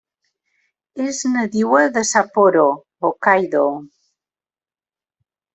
És nadiua de Sapporo, Hokkaido.